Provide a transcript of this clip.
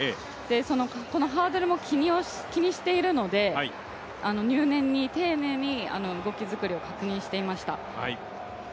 そのハードルも気にしているので入念に丁寧に動き作りを確認していました。